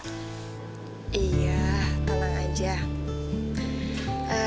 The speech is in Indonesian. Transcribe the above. iya tenang aja